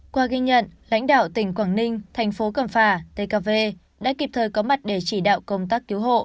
qua ghi nhận lãnh đạo tỉnh quảng ninh thành phố cầm phà tkv đã kịp thời có mặt để chỉ đạo công tác cứu hộ